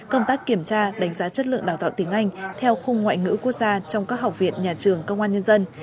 công tác kiểm tra đánh giá chất lượng đào tạo tiếng anh theo khung ngoại ngữ quốc gia trong các học viện nhà trường công an nhân dân